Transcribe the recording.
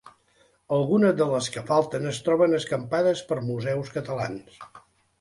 Alguna de les que falten es troben escampades per museus catalans.